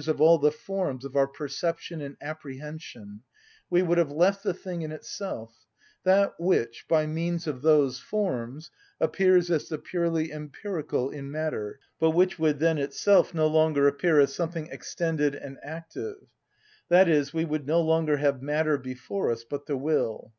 _, of all the forms of our perception and apprehension, we would have left the thing in itself, that which, by means of those forms, appears as the purely empirical in matter, but which would then itself no longer appear as something extended and active; i.e., we would no longer have matter before us, but the will.